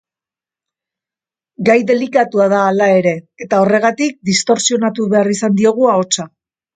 Gai delikatua da hala ere, eta horregatik distortsionatu behar izan diogu ahotsa.